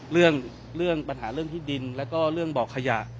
เรื่องเรื่องปัญหาเรื่องที่ดินแล้วก็เรื่องบ่อขยะ